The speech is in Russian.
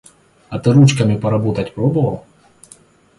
А ты ручками поработать пробовал?